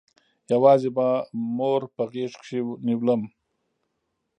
يوازې به مور په غېږ کښې نېولم.